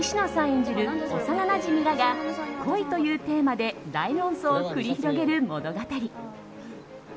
演じる幼なじみらが恋というテーマで大論争を繰り広げる物語。